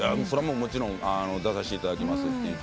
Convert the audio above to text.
「それはもちろん出させていただきます」